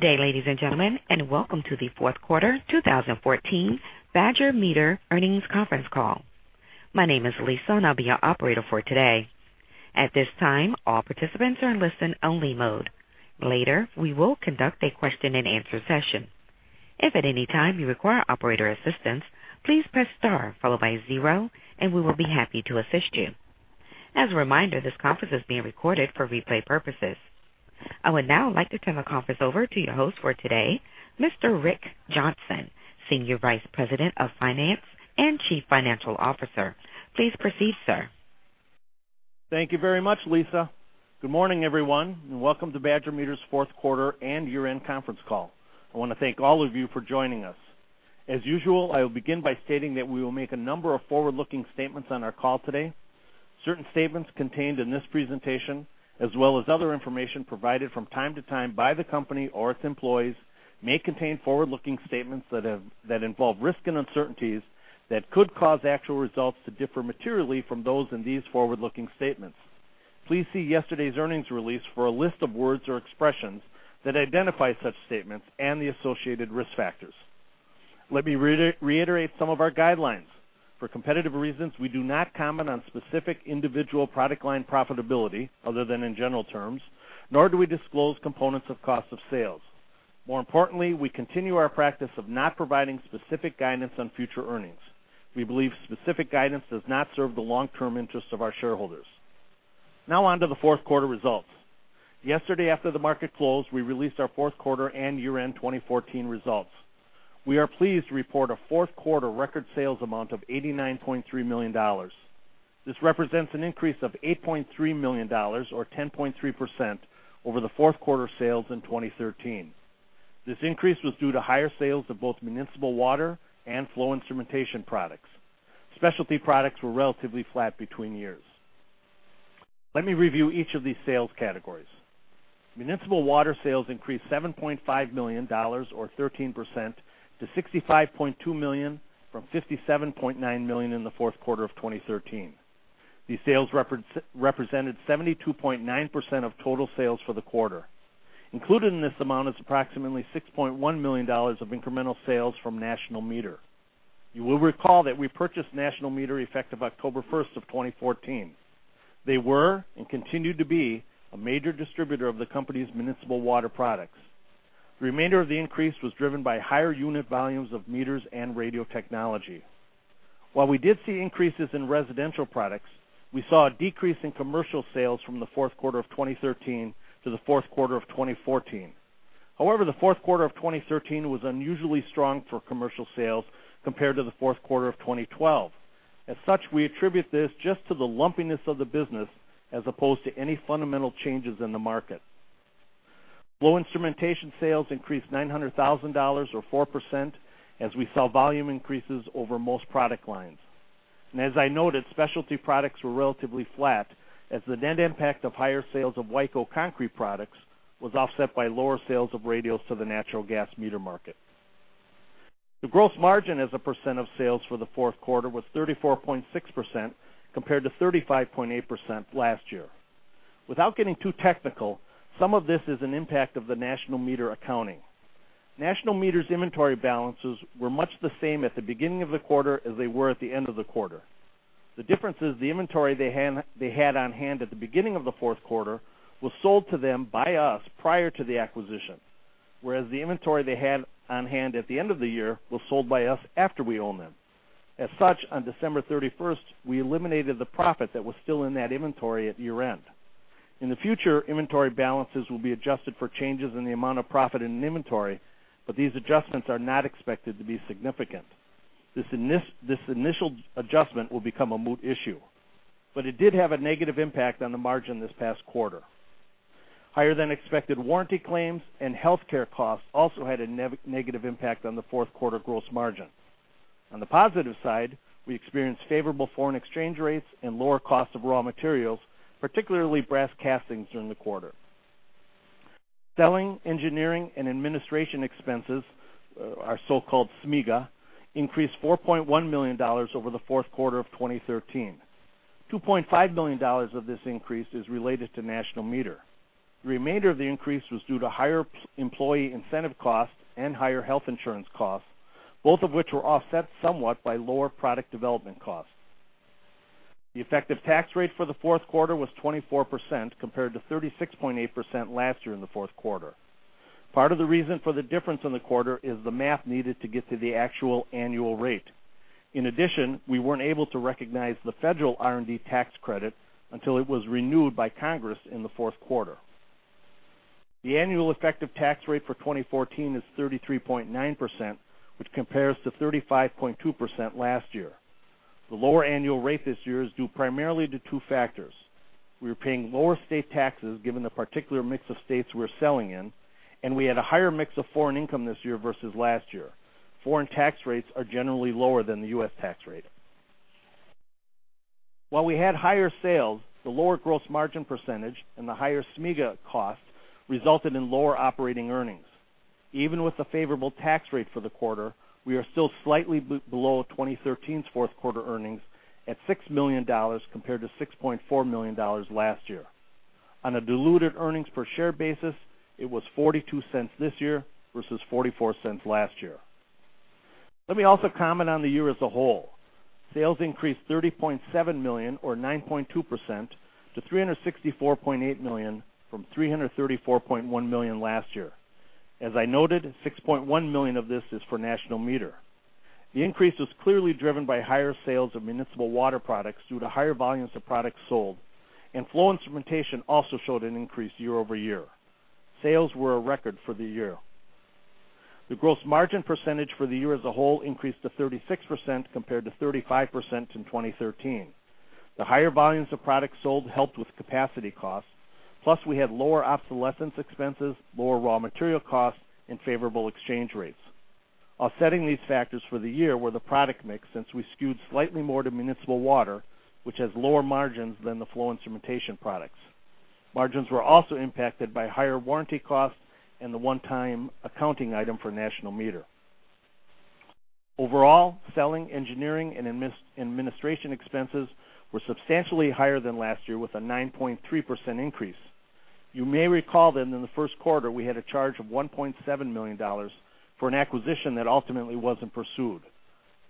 Good day, ladies and gentlemen, and welcome to the fourth quarter 2014 Badger Meter earnings conference call. My name is Lisa, and I'll be your operator for today. At this time, all participants are in listen only mode. Later, we will conduct a question and answer session. If at any time you require operator assistance, please press star followed by zero and we will be happy to assist you. As a reminder, this conference is being recorded for replay purposes. I would now like to turn the conference over to your host for today, Mr. Rick Johnson, Senior Vice President of Finance and Chief Financial Officer. Please proceed, sir. Thank you very much, Lisa. Good morning, everyone, welcome to Badger Meter's fourth quarter and year-end conference call. I want to thank all of you for joining us. As usual, I will begin by stating that we will make a number of forward-looking statements on our call today. Certain statements contained in this presentation, as well as other information provided from time to time by the company or its employees, may contain forward-looking statements that involve risk and uncertainties that could cause actual results to differ materially from those in these forward-looking statements. Please see yesterday's earnings release for a list of words or expressions that identify such statements and the associated risk factors. Let me reiterate some of our guidelines. For competitive reasons, we do not comment on specific individual product line profitability, other than in general terms, nor do we disclose components of cost of sales. We continue our practice of not providing specific guidance on future earnings. We believe specific guidance does not serve the long-term interests of our shareholders. On to the fourth quarter results. Yesterday, after the market closed, we released our fourth quarter and year-end 2014 results. We are pleased to report a fourth quarter record sales amount of $89.3 million. This represents an increase of $8.3 million or 10.3% over the fourth quarter sales in 2013. This increase was due to higher sales of both municipal water and flow instrumentation products. Specialty products were relatively flat between years. Let me review each of these sales categories. Municipal water sales increased $7.5 million or 13% to $65.2 million from $57.9 million in the fourth quarter of 2013. These sales represented 72.9% of total sales for the quarter. Included in this amount is approximately $6.1 million of incremental sales from National Meter. You will recall that we purchased National Meter effective October 1st of 2014. They were and continue to be a major distributor of the company's municipal water products. The remainder of the increase was driven by higher unit volumes of meters and radio technology. While we did see increases in residential products, we saw a decrease in commercial sales from the fourth quarter of 2013 to the fourth quarter of 2014. The fourth quarter of 2013 was unusually strong for commercial sales compared to the fourth quarter of 2012. We attribute this just to the lumpiness of the business as opposed to any fundamental changes in the market. Flow instrumentation sales increased $900,000 or 4% as we saw volume increases over most product lines. As I noted, specialty products were relatively flat as the net impact of higher sales of Wyco concrete products was offset by lower sales of radios to the natural gas meter market. The gross margin as a percent of sales for the fourth quarter was 34.6% compared to 35.8% last year. Without getting too technical, some of this is an impact of the National Meter accounting. National Meter's inventory balances were much the same at the beginning of the quarter as they were at the end of the quarter. The difference is the inventory they had on hand at the beginning of the fourth quarter was sold to them by us prior to the acquisition, whereas the inventory they had on hand at the end of the year was sold by us after we owned them. As such, on December 31st, we eliminated the profit that was still in that inventory at year-end. In the future, inventory balances will be adjusted for changes in the amount of profit in inventory, but these adjustments are not expected to be significant. This initial adjustment will become a moot issue, but it did have a negative impact on the margin this past quarter. Higher than expected warranty claims and healthcare costs also had a negative impact on the fourth quarter gross margin. On the positive side, we experienced favorable foreign exchange rates and lower cost of raw materials, particularly brass castings during the quarter. Selling, engineering and administration expenses, our so-called SEA, increased $4.1 million over the fourth quarter of 2013. $2.5 million of this increase is related to National Meter. The remainder of the increase was due to higher employee incentive costs and higher health insurance costs, both of which were offset somewhat by lower product development costs. The effective tax rate for the fourth quarter was 24% compared to 36.8% last year in the fourth quarter. Part of the reason for the difference in the quarter is the math needed to get to the actual annual rate. In addition, we weren't able to recognize the federal R&D tax credit until it was renewed by Congress in the fourth quarter. The annual effective tax rate for 2014 is 33.9%, which compares to 35.2% last year. The lower annual rate this year is due primarily to two factors. We were paying lower state taxes given the particular mix of states we're selling in, and we had a higher mix of foreign income this year versus last year. Foreign tax rates are generally lower than the U.S. tax rate. While we had higher sales, the lower gross margin percentage and the higher SEA cost resulted in lower operating earnings. Even with a favorable tax rate for the quarter, we are still slightly below 2013's fourth quarter earnings at $6 million compared to $6.4 million last year. On a diluted earnings per share basis, it was $0.42 this year versus $0.44 last year. Let me also comment on the year as a whole. Sales increased $30.7 million or 9.2% to $364.8 million from $334.1 million last year. As I noted, $6.1 million of this is for National Meter. The increase was clearly driven by higher sales of municipal water products due to higher volumes of products sold, and flow instrumentation also showed an increase year-over-year. Sales were a record for the year. The gross margin percentage for the year as a whole increased to 36% compared to 35% in 2013. The higher volumes of products sold helped with capacity costs. We had lower obsolescence expenses, lower raw material costs, and favorable exchange rates. Offsetting these factors for the year were the product mix, since we skewed slightly more to municipal water, which has lower margins than the flow instrumentation products. Margins were also impacted by higher warranty costs and the one-time accounting item for National Meter. Overall, selling, engineering, and administration expenses were substantially higher than last year with a 9.3% increase. You may recall in the first quarter, we had a charge of $1.7 million for an acquisition that ultimately wasn't pursued.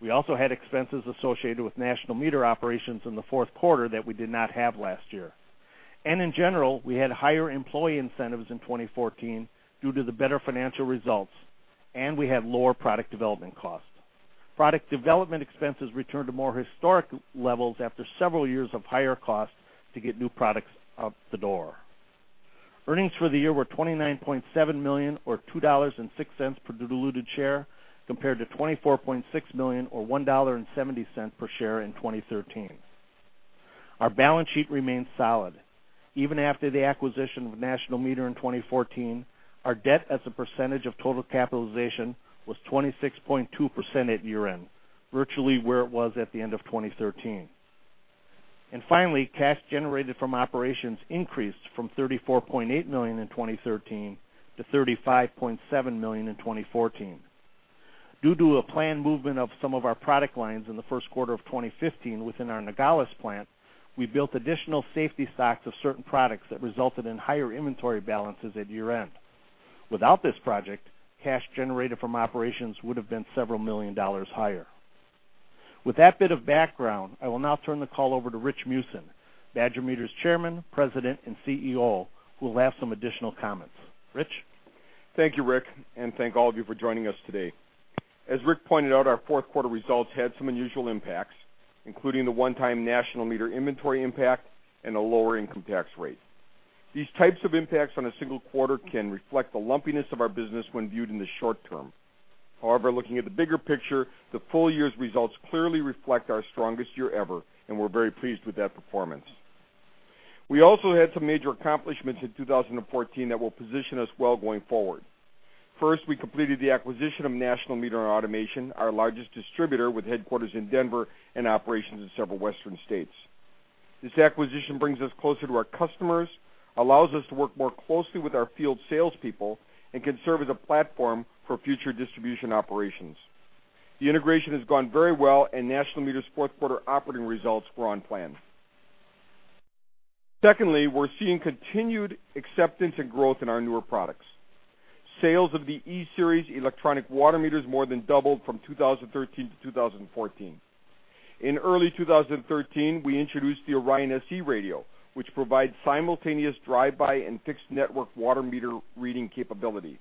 We also had expenses associated with National Meter operations in the fourth quarter that we did not have last year. In general, we had higher employee incentives in 2014 due to the better financial results, and we had lower product development costs. Product development expenses returned to more historic levels after several years of higher costs to get new products out the door. Earnings for the year were $29.7 million, or $2.06 per diluted share, compared to $24.6 million or $1.70 per share in 2013. Our balance sheet remains solid. Even after the acquisition of National Meter in 2014, our debt as a percentage of total capitalization was 26.2% at year-end, virtually where it was at the end of 2013. Finally, cash generated from operations increased from $34.8 million in 2013 to $35.7 million in 2014. Due to a planned movement of some of our product lines in the first quarter of 2015 within our Nogales plant, we built additional safety stocks of certain products that resulted in higher inventory balances at year-end. Without this project, cash generated from operations would've been several million dollars higher. With that bit of background, I will now turn the call over to Rich Meeusen, Badger Meter's Chairman, President, and CEO, who will have some additional comments. Rich? Thank you, Rick, and thank all of you for joining us today. As Rick pointed out, our fourth quarter results had some unusual impacts, including the one-time National Meter inventory impact and a lower income tax rate. These types of impacts on a single quarter can reflect the lumpiness of our business when viewed in the short term. Looking at the bigger picture, the full year's results clearly reflect our strongest year ever, and we're very pleased with that performance. We also had some major accomplishments in 2014 that will position us well going forward. First, we completed the acquisition of National Meter and Automation, our largest distributor, with headquarters in Denver and operations in several Western states. This acquisition brings us closer to our customers, allows us to work more closely with our field salespeople, and can serve as a platform for future distribution operations. The integration has gone very well, and National Meter's fourth quarter operating results were on plan. We're seeing continued acceptance and growth in our newer products. Sales of the E-Series electronic water meters more than doubled from 2013 to 2014. In early 2013, we introduced the ORION SE radio, which provides simultaneous drive-by and fixed-network water meter reading capability.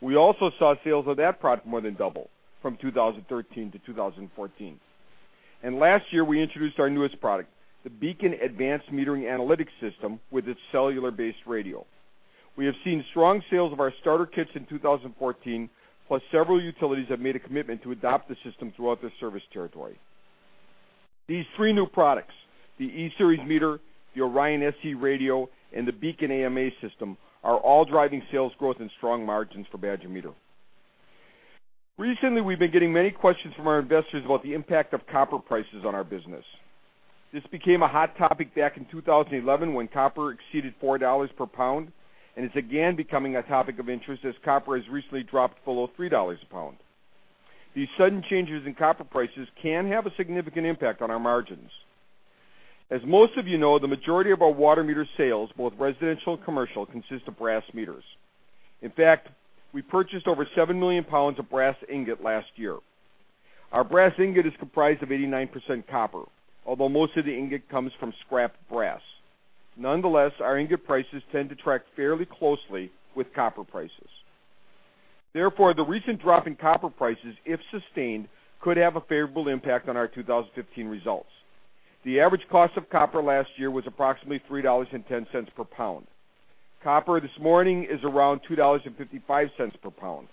We also saw sales of that product more than double from 2013 to 2014. Last year, we introduced our newest product, the BEACON Advanced Metering Analytics system, with its cellular-based radio. We have seen strong sales of our starter kits in 2014, plus several utilities have made a commitment to adopt the system throughout their service territory. These three new products, the E-Series meter, the ORION SE radio, and the BEACON AMA system, are all driving sales growth and strong margins for Badger Meter. Recently, we've been getting many questions from our investors about the impact of copper prices on our business. This became a hot topic back in 2011 when copper exceeded $4 per pound, and it's again becoming a topic of interest as copper has recently dropped below $3 a pound. These sudden changes in copper prices can have a significant impact on our margins. As most of you know, the majority of our water meter sales, both residential and commercial, consist of brass meters. In fact, we purchased over 7 million pounds of brass ingot last year. Our brass ingot is comprised of 89% copper, although most of the ingot comes from scrap brass. Nonetheless, our ingot prices tend to track fairly closely with copper prices. The recent drop in copper prices, if sustained, could have a favorable impact on our 2015 results. The average cost of copper last year was approximately $3.10 per pound. Copper this morning is around $2.55 per pound.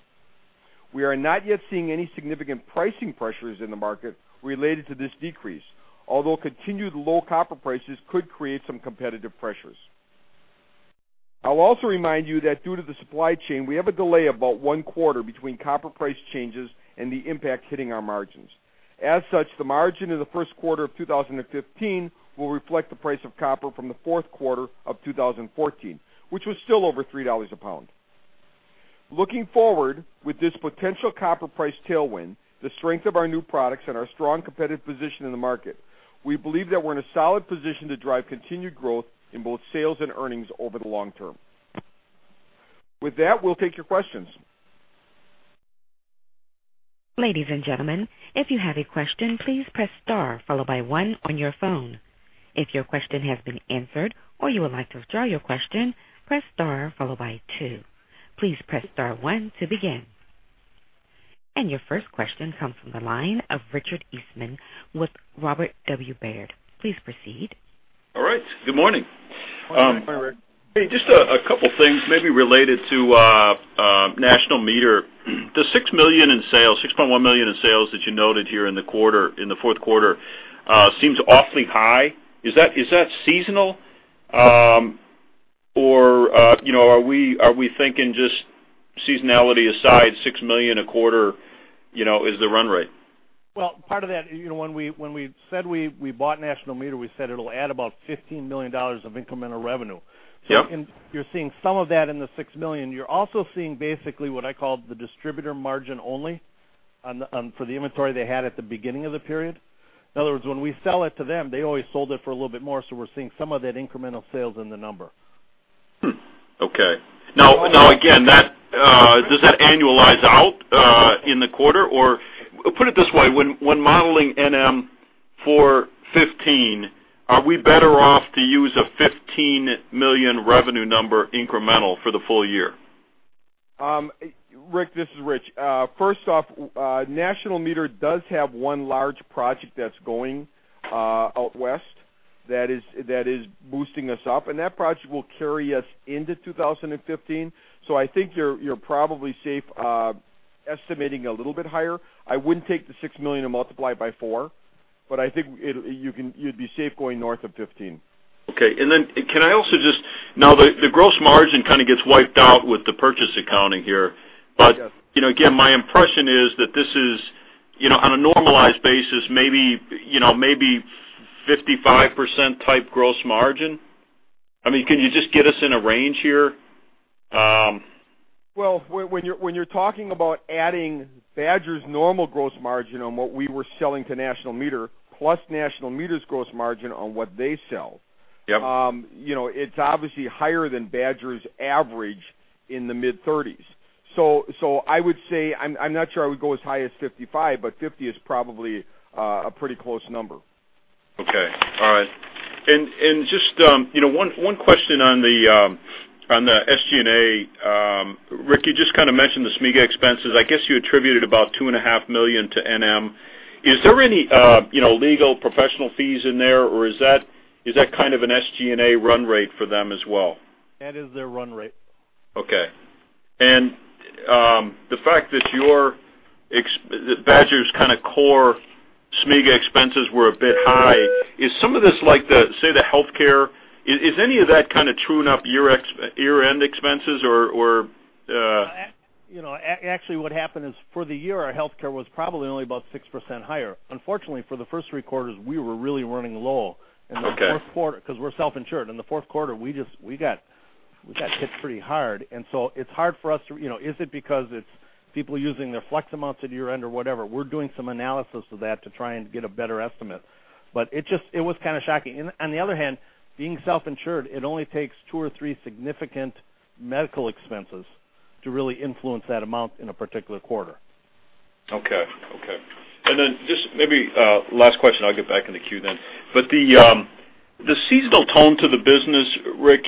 We are not yet seeing any significant pricing pressures in the market related to this decrease, although continued low copper prices could create some competitive pressures. I'll also remind you that due to the supply chain, we have a delay of about one quarter between copper price changes and the impact hitting our margins. As such, the margin in the first quarter of 2015 will reflect the price of copper from the fourth quarter of 2014, which was still over $3 a pound. Looking forward, with this potential copper price tailwind, the strength of our new products, and our strong competitive position in the market, we believe that we're in a solid position to drive continued growth in both sales and earnings over the long term. With that, we'll take your questions. Ladies and gentlemen, if you have a question, please press star followed by one on your phone. If your question has been answered or you would like to withdraw your question, press star followed by two. Please press star one to begin. Your first question comes from the line of Richard Eastman with Robert W. Baird. Please proceed. All right. Good morning. Morning. Hi, Rick. Hey, just a couple things maybe related to National Meter. The $6.1 million in sales that you noted here in the fourth quarter seems awfully high. Is that seasonal? Are we thinking just seasonality aside, $6 million a quarter is the run rate? Well, part of that, when we said we bought National Meter, we said it will add about $15 million of incremental revenue. Yep. You're seeing some of that in the $6 million. You're also seeing basically what I call the distributor margin only for the inventory they had at the beginning of the period. In other words, when we sell it to them, they always sold it for a little bit more, we're seeing some of that incremental sales in the number. Okay. Now, again, does that annualize out in the quarter? Put it this way, when modeling NM for 2015, are we better off to use a $15 million revenue number incremental for the full year? Rick, this is Rich. First off, National Meter does have one large project that's going out west that is boosting us up, and that project will carry us into 2015. I think you're probably safe estimating a little bit higher. I wouldn't take the $6 million and multiply it by four, but I think you'd be safe going north of $15. Okay. Now, the gross margin kind of gets wiped out with the purchase accounting here. Yes. My impression is that this is, on a normalized basis, maybe 55%-type gross margin. Can you just get us in a range here? Well, when you're talking about adding Badger's normal gross margin on what we were selling to National Meter, plus National Meter's gross margin on what they sell. Yep It's obviously higher than Badger's average in the mid-thirties. I would say, I'm not sure I would go as high as 55, but 50 is probably a pretty close number. Okay. All right. Just one question on the SG&A. Rick, you just kind of mentioned the SEA expenses. I guess you attributed about $2.5 million to NM. Is there any legal professional fees in there, or is that kind of an SG&A run rate for them as well? That is their run rate. Okay. The fact that Badger's kind of core SEA expenses were a bit high, is some of this like, say, the healthcare, is any of that kind of truing up your year-end expenses or? Actually, what happened is, for the year, our healthcare was probably only about 6% higher. Unfortunately, for the first three quarters, we were really running low. Okay. We're self-insured. In the fourth quarter, we got hit pretty hard. It's hard for us to, is it because it's people using their flex amounts at year-end or whatever? We're doing some analysis of that to try and get a better estimate. It was kind of shocking. On the other hand, being self-insured, it only takes two or three significant medical expenses to really influence that amount in a particular quarter. Okay. Just maybe last question, I'll get back in the queue then. The seasonal tone to the business, Rick,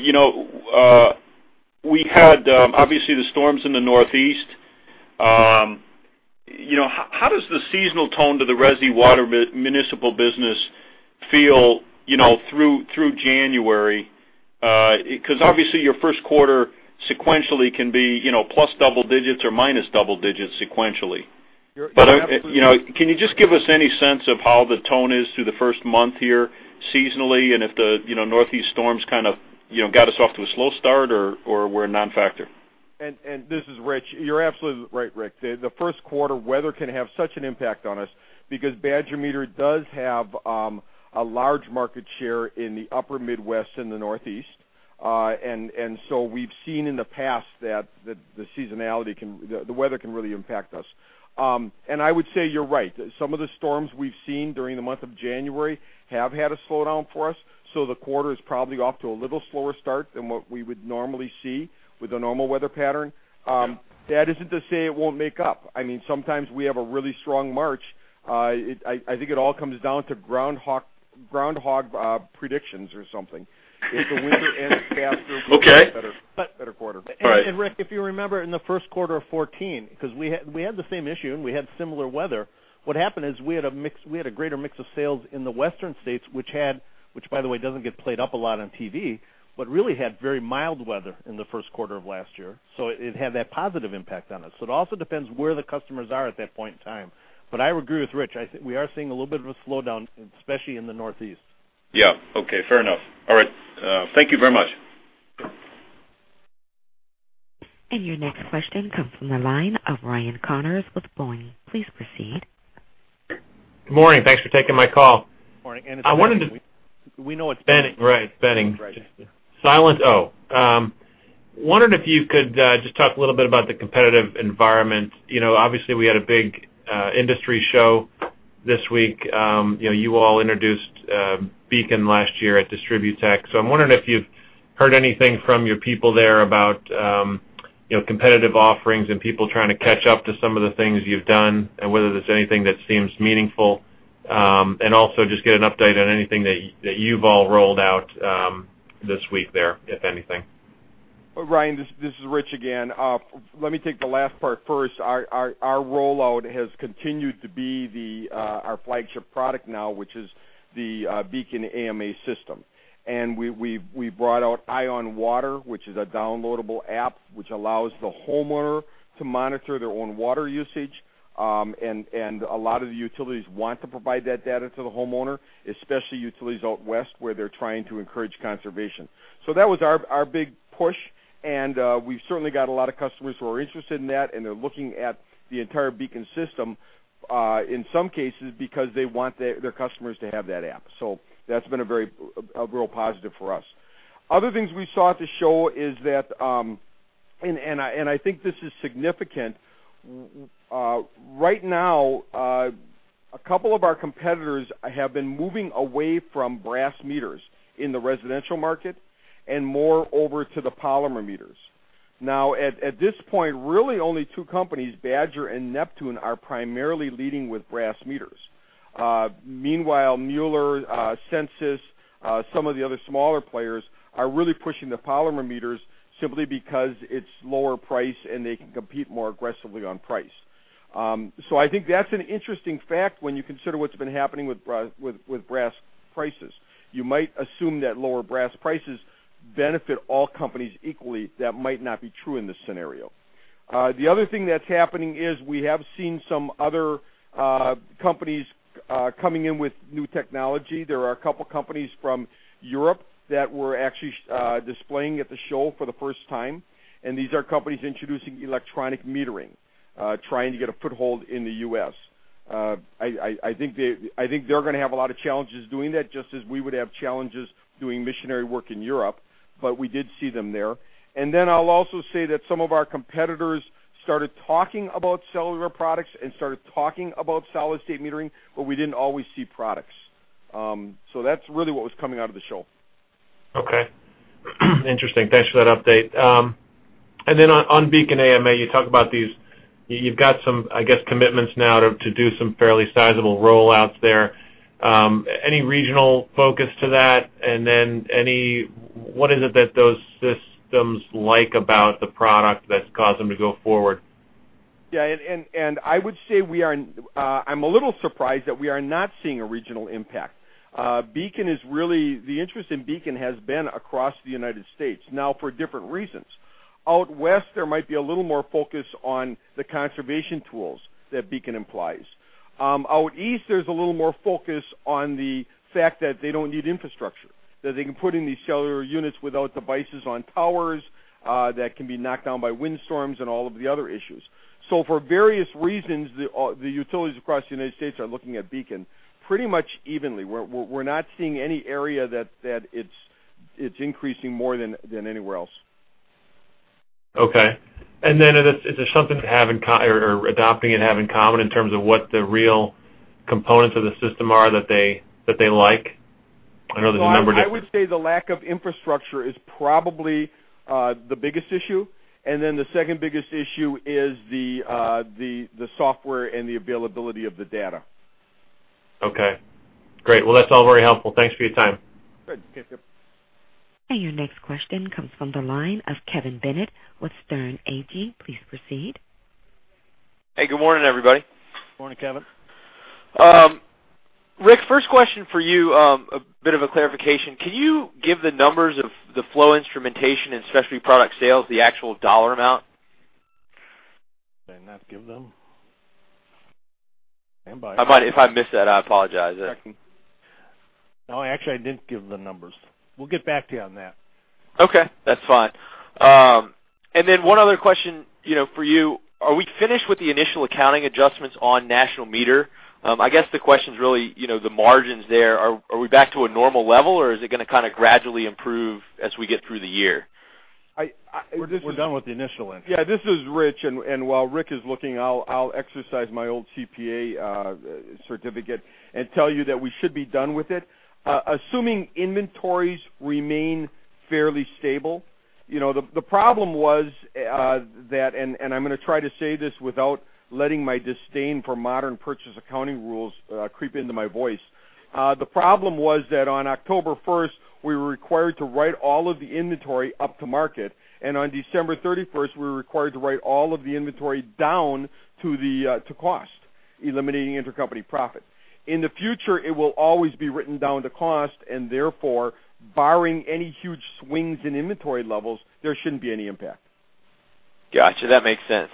we had obviously the storms in the Northeast. How does the seasonal tone to the resi water municipal business feel through January? Obviously, your first quarter sequentially can be plus double digits or minus double digits sequentially. Can you just give us any sense of how the tone is through the first month here seasonally, and if the Northeast storms kind of got us off to a slow start or were a non-factor? This is Rich. You're absolutely right, Rick. The first quarter weather can have such an impact on us because Badger Meter does have a large market share in the upper Midwest and the Northeast. We've seen in the past that the seasonality, the weather can really impact us. I would say you're right. Some of the storms we've seen during the month of January have had a slowdown for us. The quarter is probably off to a little slower start than what we would normally see with a normal weather pattern. That isn't to say it won't make up. Sometimes we have a really strong March. I think it all comes down to groundhog predictions or something. If the winter ends faster- Okay better quarter. All right. Rick, if you remember in the first quarter of 2014, because we had the same issue and we had similar weather. What happened is we had a greater mix of sales in the western states, which by the way, doesn't get played up a lot on TV, but really had very mild weather in the first quarter of last year. It had that positive impact on us. It also depends where the customers are at that point in time. I would agree with Rich. We are seeing a little bit of a slowdown, especially in the Northeast. Yeah. Okay. Fair enough. All right. Thank you very much. Your next question comes from the line of Ryan Connors with Boenning. Please proceed. Good morning. Thanks for taking my call. Good morning. It's Boenning. We know it's Boenning. Boenning. Right. Boenning. That's right. Wondered if you could just talk a little bit about the competitive environment. Obviously, we had a big industry show this week. You all introduced BEACON last year at DistribuTECH. I'm wondering if you've heard anything from your people there about competitive offerings and people trying to catch up to some of the things you've done, and whether there's anything that seems meaningful. Also just get an update on anything that you've all rolled out this week there, if anything. Ryan, this is Rich again. Let me take the last part first. Our rollout has continued to be our flagship product now, which is the BEACON AMA system. We brought out EyeOnWater, which is a downloadable app, which allows the homeowner to monitor their own water usage. A lot of the utilities want to provide that data to the homeowner, especially utilities out West, where they're trying to encourage conservation. That was our big push, and we've certainly got a lot of customers who are interested in that, and they're looking at the entire BEACON system, in some cases, because they want their customers to have that app. That's been a real positive for us. Other things we saw at the show is that, I think this is significant, right now, a couple of our competitors have been moving away from brass meters in the residential market and more over to the polymer meters. At this point, really only two companies, Badger and Neptune, are primarily leading with brass meters. Meanwhile, Mueller, Sensus, some of the other smaller players are really pushing the polymer meters simply because it's lower price, and they can compete more aggressively on price. I think that's an interesting fact when you consider what's been happening with brass prices. You might assume that lower brass prices benefit all companies equally. That might not be true in this scenario. The other thing that's happening is we have seen some other companies coming in with new technology. There are a couple companies from Europe that were actually displaying at the show for the first time, these are companies introducing electronic metering, trying to get a foothold in the U.S. I think they're going to have a lot of challenges doing that, just as we would have challenges doing missionary work in Europe. We did see them there. I'll also say that some of our competitors started talking about cellular products and started talking about solid-state metering, but we didn't always see products. That's really what was coming out of the show. Okay. Interesting. Thanks for that update. On BEACON AMA, you talk about these, you've got some commitments now to do some fairly sizable rollouts there. Any regional focus to that? What is it that those systems like about the product that's caused them to go forward? Yeah, I would say I'm a little surprised that we are not seeing a regional impact. The interest in BEACON has been across the U.S. now for different reasons. Out West, there might be a little more focus on the conservation tools that BEACON implies. Out East, there's a little more focus on the fact that they don't need infrastructure, that they can put in these cellular units without devices on towers that can be knocked down by windstorms and all of the other issues. For various reasons, the utilities across the U.S. are looking at BEACON pretty much evenly. We're not seeing any area that it's increasing more than anywhere else. Okay. Is there something or adopting it have in common in terms of what the real components of the system are that they like? I know there's a number of different. I would say the lack of infrastructure is probably the biggest issue. The second biggest issue is the software and the availability of the data. Okay, great. Well, that's all very helpful. Thanks for your time. Good. Okay, see you. Your next question comes from the line of Kevin Bennett with Sterne Agee. Please proceed. Hey, good morning, everybody. Morning, Kevin. Rick, first question for you, a bit of a clarification. Can you give the numbers of the flow instrumentation and specialty product sales, the actual dollar amount? Did I not give them? Standby. If I missed that, I apologize. No, actually, I didn't give the numbers. We'll get back to you on that. Okay, that's fine. One other question for you, are we finished with the initial accounting adjustments on National Meter? I guess the question is really, the margins there, are we back to a normal level, or is it going to gradually improve as we get through the year? This is Rich, while Rick is looking, I'll exercise my old CPA certificate and tell you that we should be done with it, assuming inventories remain fairly stable. The problem was that, I'm going to try to say this without letting my disdain for modern purchase accounting rules creep into my voice. The problem was that on October 1st, we were required to write all of the inventory up to market, on December 31st, we were required to write all of the inventory down to cost, eliminating intercompany profit. In the future, it will always be written down to cost, therefore, barring any huge swings in inventory levels, there shouldn't be any impact. Got you. That makes sense.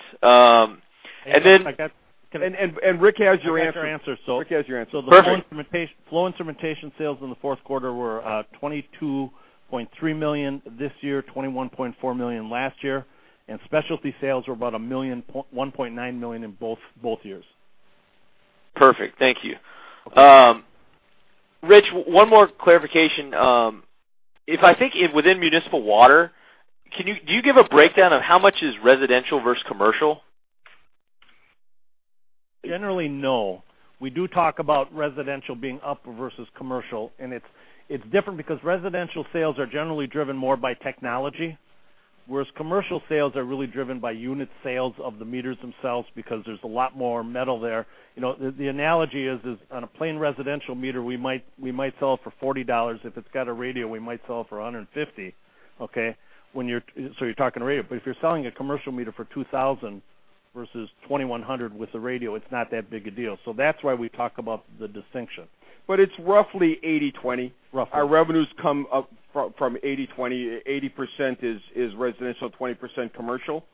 Rick has your answer. Rick has your answer. Perfect. Flow instrumentation sales in the fourth quarter were $22.3 million this year, $21.4 million last year, and specialty sales were about $1.9 million in both years. Perfect. Thank you. Rich, one more clarification. If I think within municipal water, do you give a breakdown of how much is residential versus commercial? Generally, no. We do talk about residential being up versus commercial, and it's different because residential sales are generally driven more by technology, whereas commercial sales are really driven by unit sales of the meters themselves, because there's a lot more metal there. The analogy is, on a plain residential meter, we might sell it for $40. If it's got a radio, we might sell it for $150. Okay? You're talking radio. If you're selling a commercial meter for $2,000 versus $2,100 with the radio, it's not that big a deal. That's why we talk about the distinction. It's roughly 80/20. Roughly. Our revenues come up from 80/20. 80% is residential, 20% commercial.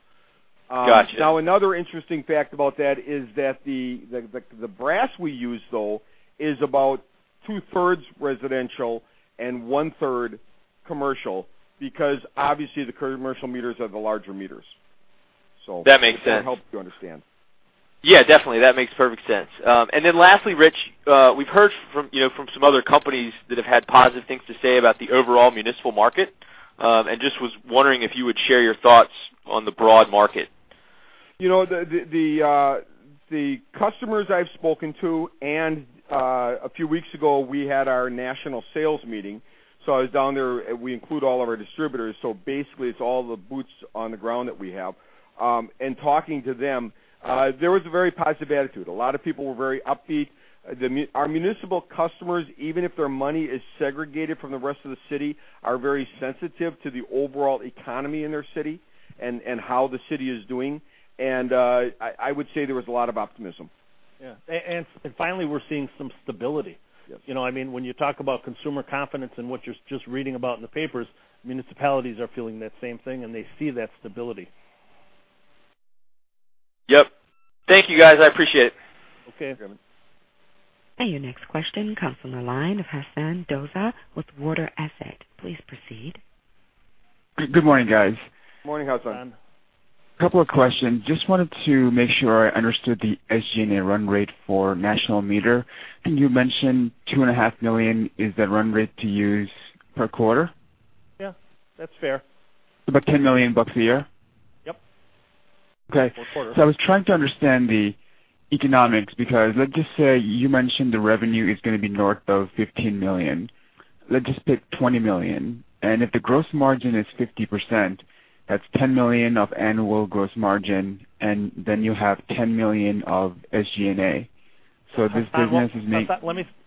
Got you. Another interesting fact about that is that the brass we use, though, is about two-thirds residential and one-third commercial, because obviously the commercial meters are the larger meters. That makes sense. If that helps you understand. Yeah, definitely. That makes perfect sense. Then lastly, Rich, we've heard from some other companies that have had positive things to say about the overall municipal market, and just was wondering if you would share your thoughts on the broad market. The customers I've spoken to, and a few weeks ago, we had our national sales meeting, so I was down there. We include all of our distributors. Basically, it's all the boots on the ground that we have. In talking to them, there was a very positive attitude. A lot of people were very upbeat. Our municipal customers, even if their money is segregated from the rest of the city, are very sensitive to the overall economy in their city and how the city is doing. I would say there was a lot of optimism. Yeah. Finally, we're seeing some stability. Yes. When you talk about consumer confidence and what you're just reading about in the papers, municipalities are feeling that same thing, and they see that stability. Yep. Thank you, guys. I appreciate it. Okay. Yeah. Your next question comes from the line of Hassan Doza with Water Asset. Please proceed. Good morning, guys. Morning, Hassan. A couple of questions. Just wanted to make sure I understood the SG&A run rate for National Meter. You mentioned $two and a half million. Is that run rate to use per quarter? Yeah, that's fair. About $10 million a year? Yep. Okay. Per quarter. I was trying to understand the economics, because let's just say you mentioned the revenue is going to be north of $15 million. Let's just pick $20 million, and if the gross margin is 50%, that's $10 million of annual gross margin, and then you have $10 million of SG&A. This business is.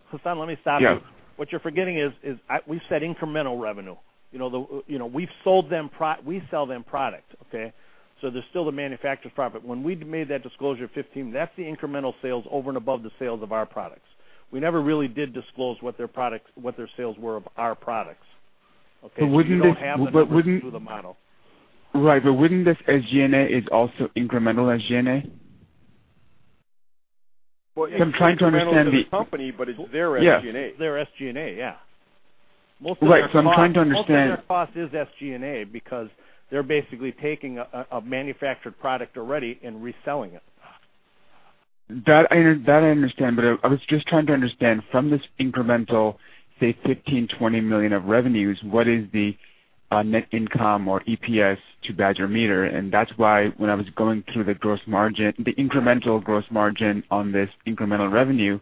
Hassan, let me stop you. Yeah. What you are forgetting is, we have said incremental revenue. We sell them product, okay? There is still the manufacturer's profit. When we made that disclosure of 15, that is the incremental sales over and above the sales of our products. We never really did disclose what their sales were of our products. Okay? Would not this- We do not have them to do the model. Right, but would not this SG&A is also incremental SG&A? I am trying to understand the- Well, it's incremental to the company, but it's their SG&A. It's their SG&A, yeah. Most of their cost- Right. I'm trying to understand- Most of their cost is SG&A because they're basically taking a manufactured product already and reselling it. I understand, I was just trying to understand from this incremental, say, $15 million, $20 million of revenues, what is the net income or EPS to Badger Meter? That is why when I was going through the gross margin, the incremental gross margin on this incremental revenue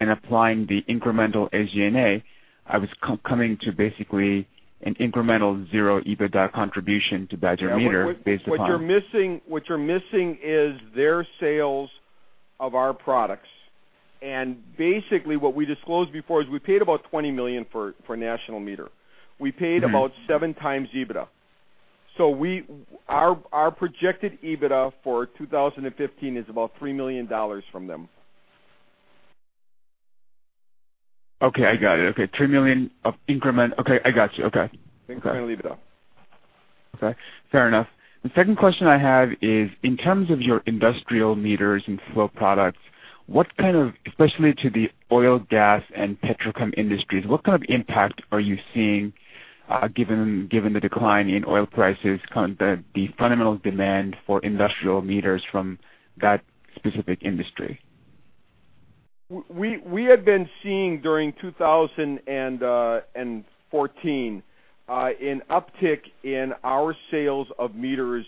and applying the incremental SG&A, I was coming to basically an incremental zero EBITDA contribution to Badger Meter. What you're missing is their sales of our products. Basically, what we disclosed before is we paid about $20 million for National Meter. We paid about 7x EBITDA. Our projected EBITDA for 2015 is about $3 million from them. Okay, I got it. Okay. $3 million of increment. Okay, I got you. Okay. Incremental EBITDA. Okay, fair enough. The second question I have is, in terms of your industrial meters and flow products, especially to the oil, gas, and petrochem industries, what kind of impact are you seeing, given the decline in oil prices, the fundamental demand for industrial meters from that specific industry? We have been seeing, during 2014, an uptick in our sales of meters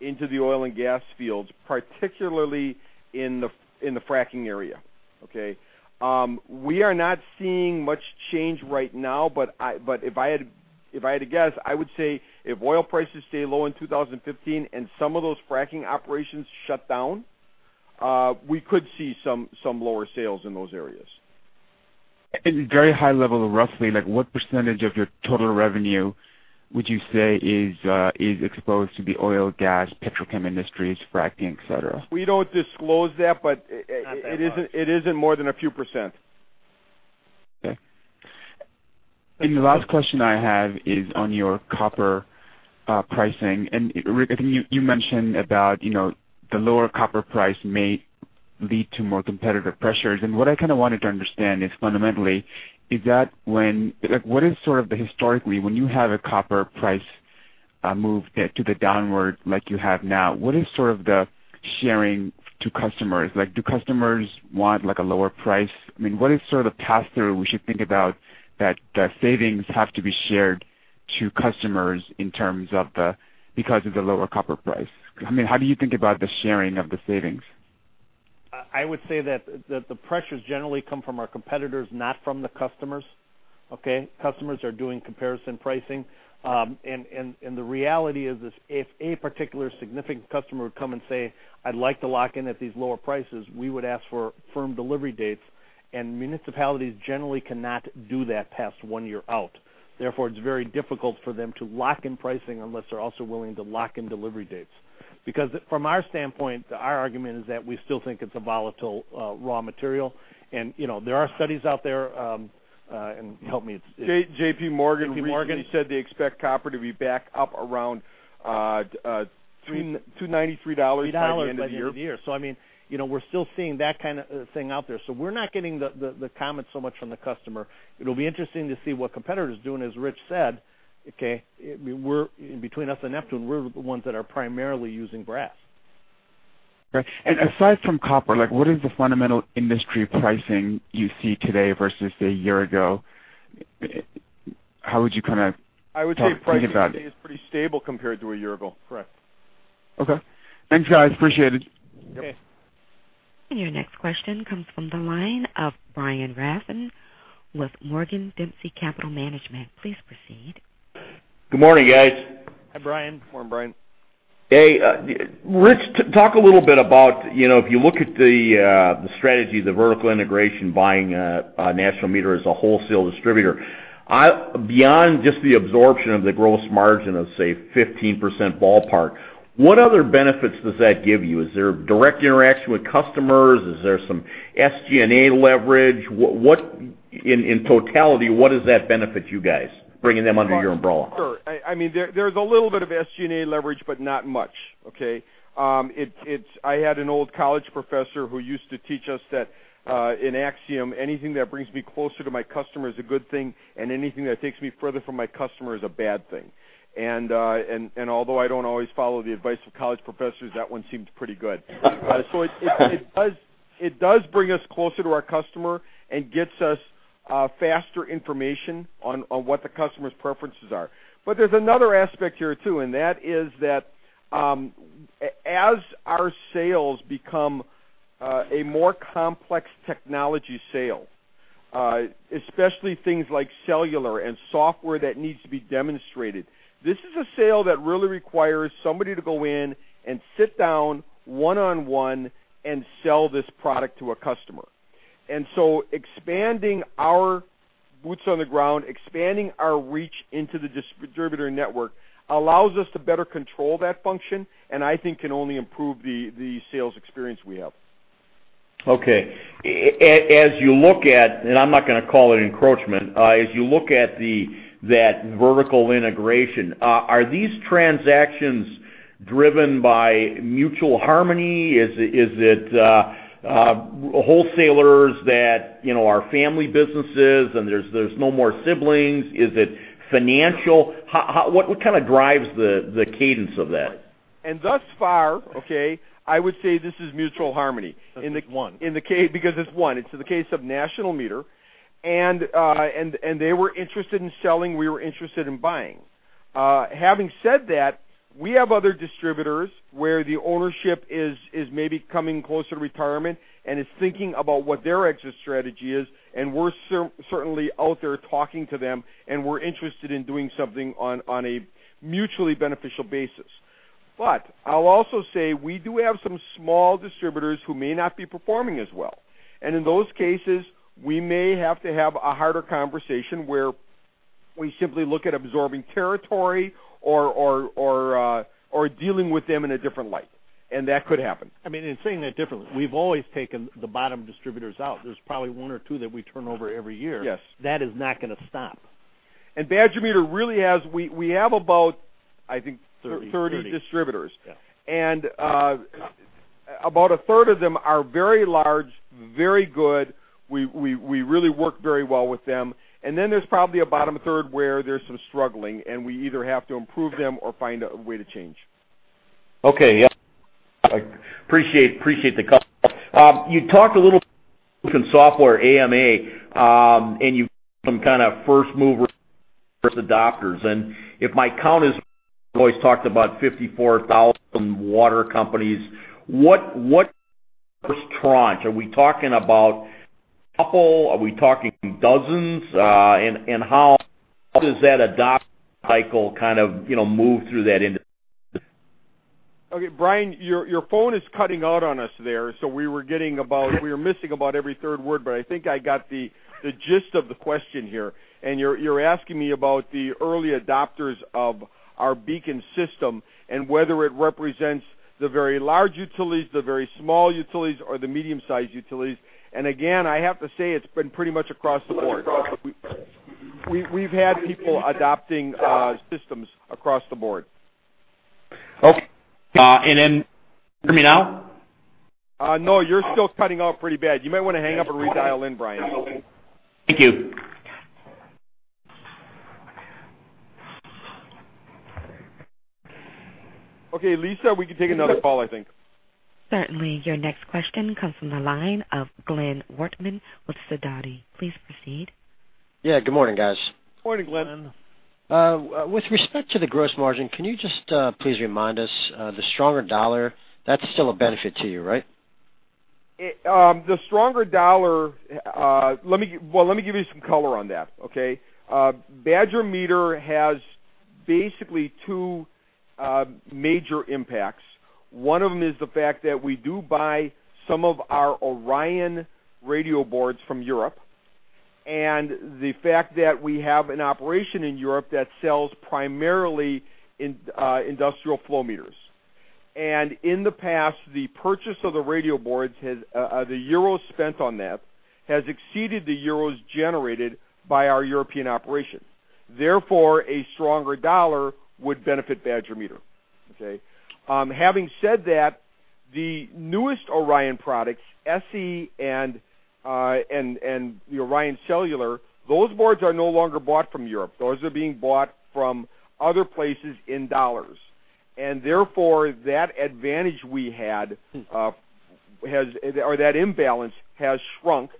into the oil and gas fields, particularly in the fracking area. Okay? We are not seeing much change right now, but if I had to guess, I would say if oil prices stay low in 2015 and some of those fracking operations shut down, we could see some lower sales in those areas. In very high level, roughly, what % of your total revenue would you say is exposed to the oil, gas, petrochem industries, fracking, et cetera? We don't disclose that. Not that much It isn't more than a few %. Okay. The last question I have is on your copper pricing. Rich, I think you mentioned about the lower copper price may lead to more competitive pressures. What I kind of wanted to understand is fundamentally, what is sort of the historically, when you have a copper price move to the downward like you have now, what is sort of the sharing to customers? Do customers want a lower price? What is sort of the pass-through we should think about that the savings have to be shared to customers because of the lower copper price? How do you think about the sharing of the savings? I would say that the pressures generally come from our competitors, not from the customers, okay? Customers are doing comparison pricing. The reality is this: If any particular significant customer would come and say, "I'd like to lock in at these lower prices," we would ask for firm delivery dates, and municipalities generally cannot do that past one year out. Therefore, it's very difficult for them to lock in pricing unless they're also willing to lock in delivery dates. From our standpoint, our argument is that we still think it's a volatile raw material. There are studies out there. Help me. JPMorgan recently said they expect copper to be back up around $293 by the end of the year. $293 by the end of the year. We're still seeing that kind of thing out there. We're not getting the comments so much from the customer. It'll be interesting to see what competitors doing, as Rich said, okay? Between us and Neptune, we're the ones that are primarily using brass. Right. Aside from copper, what is the fundamental industry pricing you see today versus a year ago? How would you kind of think about it? I would say pricing today is pretty stable compared to a year ago. Correct. Okay. Thanks, guys. Appreciate it. Okay. Your next question comes from the line of Brian Rafn with Morgan Dempsey Capital Management. Please proceed. Good morning, guys. Hi, Brian. Morning, Brian. Hey. Rich, talk a little bit about, if you look at the strategy, the vertical integration, buying National Meter as a wholesale distributor, beyond just the absorption of the gross margin of, say, 15% ballpark, what other benefits does that give you? Is there direct interaction with customers? Is there some SG&A leverage? In totality, what does that benefit you guys, bringing them under your umbrella? Sure. There's a little bit of SG&A leverage, but not much, okay? I had an old college professor who used to teach us that an axiom, anything that brings me closer to my customer is a good thing, and anything that takes me further from my customer is a bad thing. Although I don't always follow the advice of college professors, that one seemed pretty good. It does bring us closer to our customer and gets us faster information on what the customer's preferences are. There's another aspect here, too, and that is that as our sales become a more complex technology sale, especially things like cellular and software that needs to be demonstrated, this is a sale that really requires somebody to go in and sit down one-on-one and sell this product to a customer. Expanding our boots on the ground, expanding our reach into the distributor network allows us to better control that function, and I think can only improve the sales experience we have. Okay. As you look at, I'm not gonna call it encroachment, as you look at that vertical integration, are these transactions driven by mutual harmony? Is it wholesalers that are family businesses, and there's no more siblings? Is it financial? What kind of drives the cadence of that? Thus far, okay, I would say this is mutual harmony. That's one. Because it's one. It's the case of National Meter, they were interested in selling, we were interested in buying. Having said that, we have other distributors where the ownership is maybe coming closer to retirement and is thinking about what their exit strategy is, we're certainly out there talking to them, and we're interested in doing something on a mutually beneficial basis. I'll also say, we do have some small distributors who may not be performing as well. In those cases, we may have to have a harder conversation where we simply look at absorbing territory or dealing with them in a different light. That could happen. In saying that differently, we've always taken the bottom distributors out. There's probably one or two that we turn over every year. Yes. That is not gonna stop. Badger Meter really has, we have about, I think 30 distributors. Yeah. About a third of them are very large, very good. We really work very well with them. Then there's probably a bottom third where there's some struggling, and we either have to improve them or find a way to change. Okay. Yeah. I appreciate the call. You talked a little bit about BEACON Software, AMA, and you've got some kind of first-mover adopters. If my count is correct, you always talked about 54,000 water companies. What first tranche? Are we talking about a couple? Are we talking dozens? How does that adoption cycle kind of move through that industry? Okay, Brian, your phone is cutting out on us there, we were missing about every third word, I think I got the gist of the question here. You're asking me about the early adopters of our BEACON system and whether it represents the very large utilities, the very small utilities, or the medium-sized utilities. Again, I have to say, it's been pretty much across the board. We've had people adopting systems across the board. Okay. Then, can you hear me now? No, you're still cutting out pretty bad. You might want to hang up and redial in, Brian. Thank you. Okay, Lisa, we can take another call, I think. Certainly. Your next question comes from the line of Glenn Wortman with Sidoti. Please proceed. Yeah, good morning, guys. Morning, Glenn. With respect to the gross margin, can you just please remind us, the stronger dollar, that's still a benefit to you, right? The stronger dollar, well, let me give you some color on that, okay? Badger Meter has basically two major impacts. One of them is the fact that we do buy some of our ORION radio boards from Europe, the fact that we have an operation in Europe that sells primarily industrial flow meters. In the past, the purchase of the radio boards, the euros spent on that, has exceeded the euros generated by our European operations. Therefore, a stronger dollar would benefit Badger Meter. Having said that, the newest ORION products, ORION SE and the ORION Cellular, those boards are no longer bought from Europe. Those are being bought from other places in dollars. Therefore, that advantage we had, or that imbalance, has shrunk,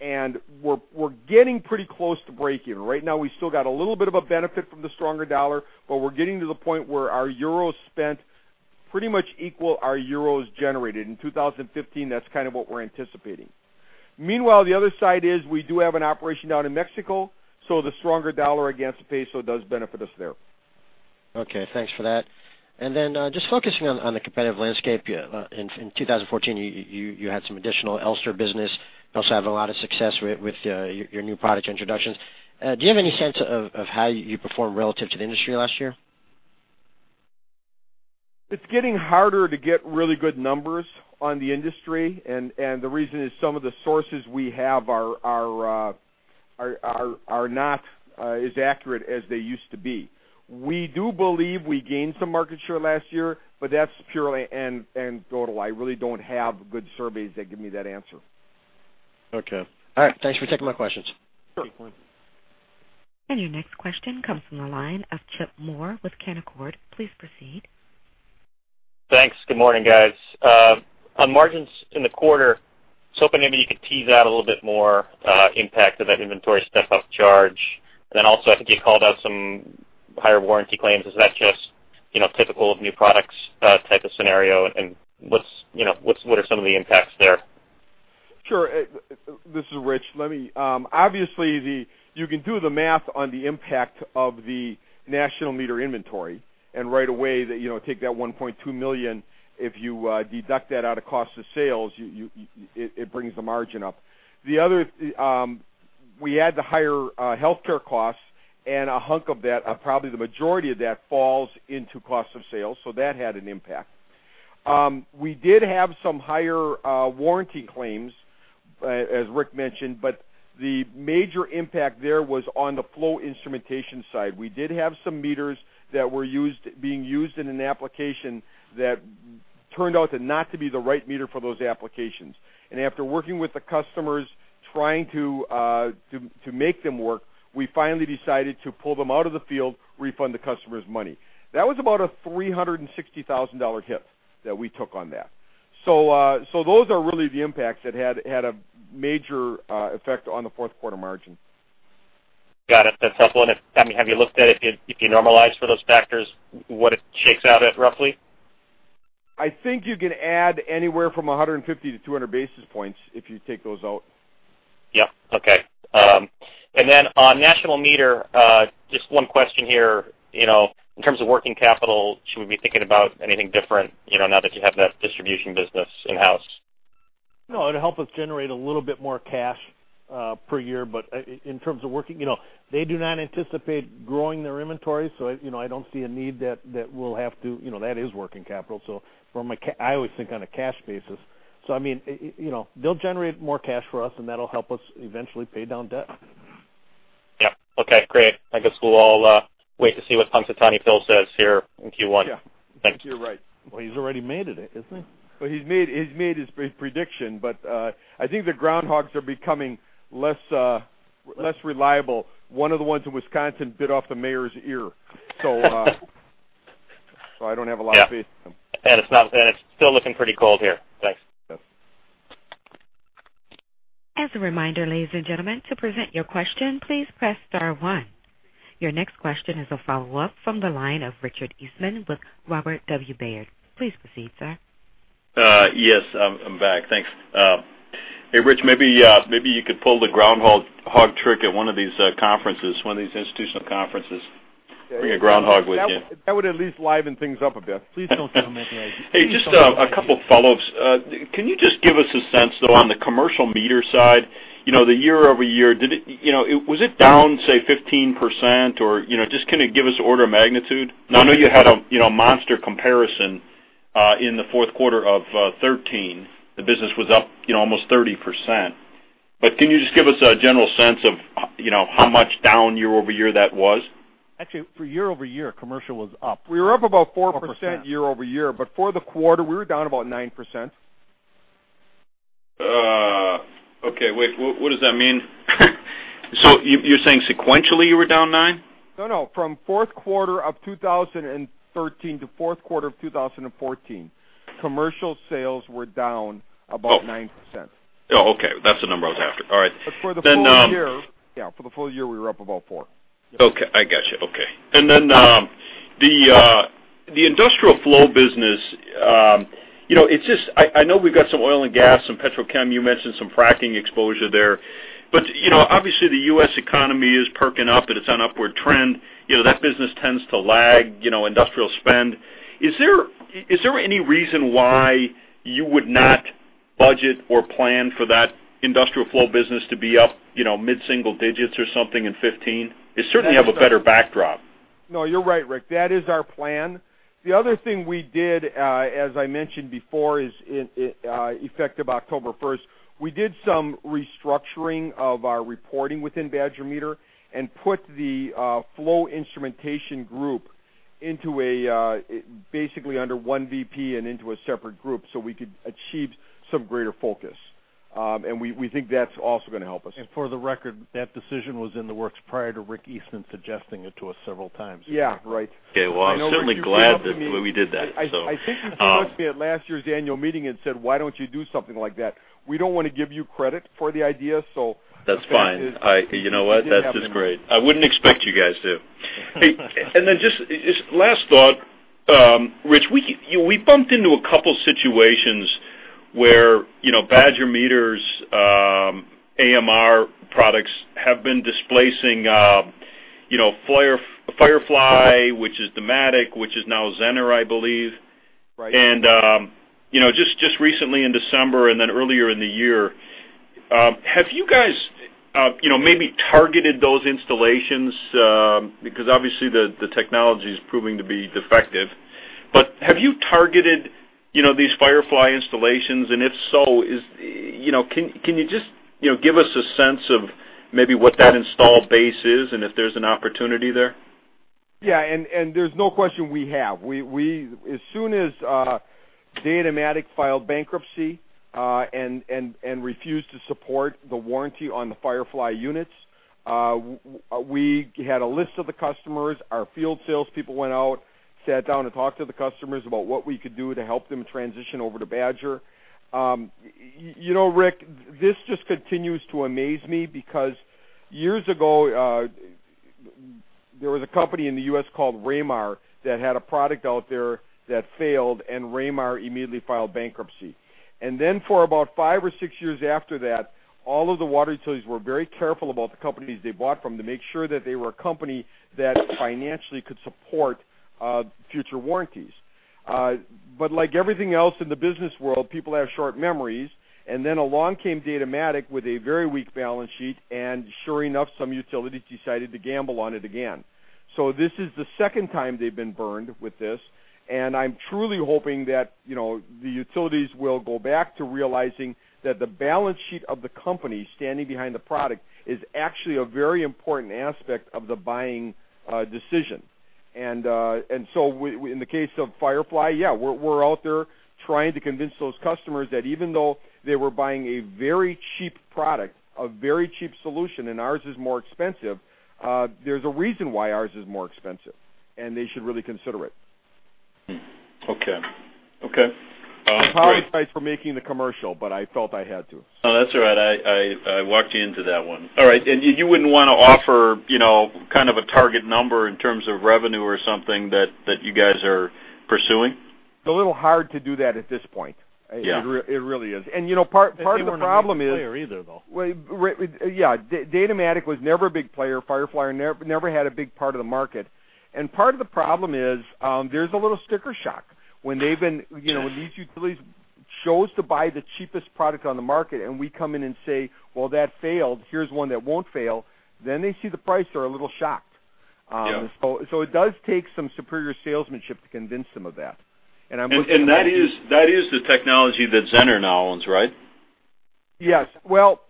and we're getting pretty close to breakeven. Right now, we still got a little bit of a benefit from the stronger dollar. We're getting to the point where our euros spent pretty much equal our euros generated. In 2015, that's kind of what we're anticipating. Meanwhile, the other side is we do have an operation down in Mexico. The stronger dollar against the peso does benefit us there. Okay. Thanks for that. Just focusing on the competitive landscape. In 2014, you had some additional Elster business. You also have a lot of success with your new product introductions. Do you have any sense of how you performed relative to the industry last year? It's getting harder to get really good numbers on the industry. The reason is some of the sources we have are not as accurate as they used to be. We do believe we gained some market share last year. That's purely anecdotally. I really don't have good surveys that give me that answer. Okay. All right. Thanks for taking my questions. Sure. Your next question comes from the line of Chip Moore with Canaccord. Please proceed. Thanks. Good morning, guys. On margins in the quarter, I was hoping maybe you could tease out a little bit more impact of that inventory step-up charge. Then also, I think you called out some higher warranty claims. Is that just typical of new products type of scenario, and what are some of the impacts there? Sure. This is Rich. Obviously, you can do the math on the impact of the National Meter inventory, right away, take that $1.2 million, if you deduct that out of cost of sales, it brings the margin up. We had the higher healthcare costs, a hunk of that, or probably the majority of that, falls into cost of sales. That had an impact. We did have some higher warranty claims, as Rick mentioned, but the major impact there was on the flow instrumentation side. We did have some meters that were being used in an application that turned out not to be the right meter for those applications. After working with the customers trying to make them work, we finally decided to pull them out of the field, refund the customers money. That was about a $360,000 hit that we took on that. Those are really the impacts that had a major effect on the fourth quarter margin. Got it. That's helpful. Have you looked at it, if you normalize for those factors, what it shakes out at roughly? I think you can add anywhere from 150 basis points-200 basis points if you take those out. Yep. Okay. Then on National Meter, just one question here. In terms of working capital, should we be thinking about anything different now that you have that distribution business in-house? No, it'll help us generate a little bit more cash per year, but in terms of working, they do not anticipate growing their inventory. I don't see a need that we'll have to. That is working capital. I always think on a cash basis. They'll generate more cash for us, and that'll help us eventually pay down debt. Yep. Okay, great. I guess we'll all wait to see what Punxsutawney Phil says here in Q1. Yeah. Thanks. I think you're right. Well, he's already made it, isn't he? Well, he's made his prediction, but I think the groundhogs are becoming less reliable. One of the ones in Wisconsin bit off the mayor's ear. I don't have a lot of faith in them. It's still looking pretty cold here. Thanks. Yep. As a reminder, ladies and gentlemen, to present your question, please press star one. Your next question is a follow-up from the line of Richard Eastman with Robert W. Baird. Please proceed, sir. Yes, I'm back. Thanks. Hey, Rich, maybe you could pull the groundhog trick at one of these conferences, one of these institutional conferences. Bring a groundhog with you. That would at least liven things up a bit. Please don't tell him that, Rich. Hey, just a couple follow-ups. Can you just give us a sense, though, on the commercial meter side, the year-over-year, was it down, say, 15%? Or just give us order of magnitude. I know you had a monster comparison in the fourth quarter of 2013. The business was up almost 30%. Can you just give us a general sense of how much down year-over-year that was? Actually, for year-over-year, commercial was up. We were up about 4% year-over-year, but for the quarter, we were down about 9%. Okay. Wait, what does that mean? You're saying sequentially you were down 9%? No, no. From Q4 of 2013 to Q4 of 2014, commercial sales were down about 9%. Oh, okay. That's the number I was after. All right. For the full year, we were up about four. Okay. I got you. Okay. The industrial flow business, I know we've got some oil and gas, some petrochem. You mentioned some fracking exposure there. Obviously the U.S. economy is perking up and it's on upward trend. That business tends to lag, industrial spend. Is there any reason why you would not budget or plan for that industrial flow business to be up mid-single digits or something in 2015? It certainly has a better backdrop. No, you're right, Rick. That is our plan. The other thing we did, as I mentioned before, is effective October 1st, we did some restructuring of our reporting within Badger Meter and put the flow instrumentation group basically under one VP and into a separate group so we could achieve some greater focus. We think that's also going to help us. For the record, that decision was in the works prior to Rick Eastman suggesting it to us several times. Yeah. Right. Okay. Well, I'm certainly glad that we did that. I think you spoke to me at last year's annual meeting and said, "Why don't you do something like that?" We don't want to give you credit for the idea. That's fine. You know what? That's just great. I wouldn't expect you guys to. Hey, just last thought. Rich, we bumped into a couple situations where Badger Meter's AMR products have been displacing FIREFLY, which is Datamatic, which is now Zenner, I believe. Right. Just recently in December earlier in the year, have you guys maybe targeted those installations? Because obviously the technology is proving to be defective. Have you targeted these FIREFLY installations? If so, can you just give us a sense of maybe what that install base is and if there's an opportunity there? Yeah. There's no question we have. As soon as Datamatic filed bankruptcy, refused to support the warranty on the FIREFLY units, we had a list of the customers. Our field salespeople went out, sat down, talked to the customers about what we could do to help them transition over to Badger. Rick, this just continues to amaze me because years ago, there was a company in the U.S. called Raymar that had a product out there that failed, Raymar immediately filed bankruptcy. Then for about five or six years after that, all of the water utilities were very careful about the companies they bought from to make sure that they were a company that financially could support future warranties. Like everything else in the business world, people have short memories. Then along came Datamatic with a very weak balance sheet, and sure enough, some utilities decided to gamble on it again. This is the second time they've been burned with this, and I'm truly hoping that the utilities will go back to realizing that the balance sheet of the company standing behind the product is actually a very important aspect of the buying decision. In the case of FIREFLY, yeah, we're out there trying to convince those customers that even though they were buying a very cheap product, a very cheap solution, and ours is more expensive, there's a reason why ours is more expensive, and they should really consider it. Okay. Great. Apologize for making the commercial. I felt I had to. No, that's all right. I walked you into that one. All right. You wouldn't want to offer kind of a target number in terms of revenue or something that you guys are pursuing? It's a little hard to do that at this point. Yeah. It really is. Part of the problem is. They weren't a major player either, though. Yeah. Datamatic was never a big player. FIREFLY never had a big part of the market. Part of the problem is, there's a little sticker shock when these utilities chose to buy the cheapest product on the market, and we come in and say, "Well, that failed. Here's one that won't fail." They see the price, they're a little shocked. Yeah. It does take some superior salesmanship to convince them of that. That is the technology that Zenner now owns, right? Yes. Well,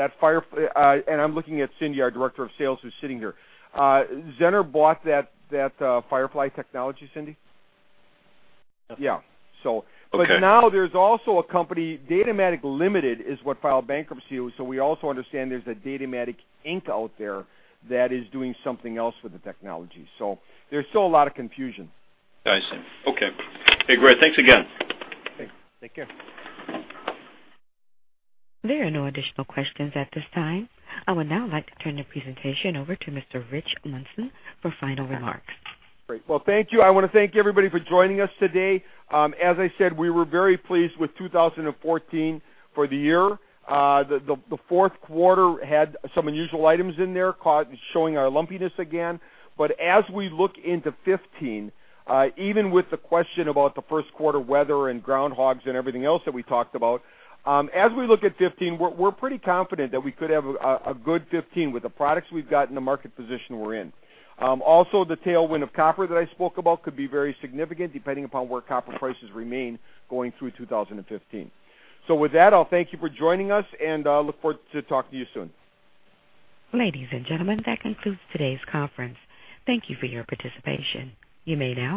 and I'm looking at Cindy, our Director of Sales, who's sitting here. Zenner bought that FIREFLY technology, Cindy? Yeah. Yeah. Okay. Now there's also a company, Datamatic, Ltd., is what filed bankruptcy. We also understand there's a Datamatic, Inc. out there that is doing something else with the technology. There's still a lot of confusion. I see. Okay. Hey, great. Thanks again. Okay. Take care. There are no additional questions at this time. I would now like to turn the presentation over to Mr. Rich Meeusen for final remarks. Great. Well, thank you. I want to thank everybody for joining us today. As I said, we were very pleased with 2014 for the year. The fourth quarter had some unusual items in there showing our lumpiness again. As we look into 2015, even with the question about the first quarter weather and groundhogs and everything else that we talked about, as we look at 2015, we're pretty confident that we could have a good 2015 with the products we've got and the market position we're in. Also, the tailwind of copper that I spoke about could be very significant, depending upon where copper prices remain going through 2015. With that, I'll thank you for joining us and look forward to talk to you soon. Ladies and gentlemen, that concludes today's conference. Thank you for your participation. You may now disconnect.